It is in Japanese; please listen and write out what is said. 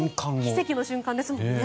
奇跡の瞬間ですもんね。